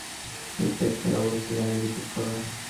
বিস্ফোরক ডিভাইসগুলোর প্রত্যেকটার অবস্থা জানিয়ে রিপোর্ট করো।